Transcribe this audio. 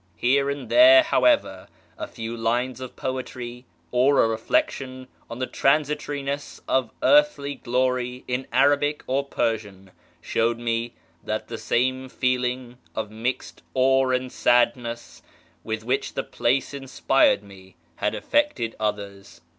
Here and there, however, a few lines of poetry, or a reflection on the transitoriness of earthly glory in Arabic or Persian, showed me that the same feeling of mixed awe and sadness I with which the place inspired me had affected others.